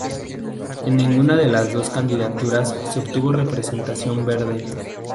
En ninguna de las dos candidaturas se obtuvo representación verde.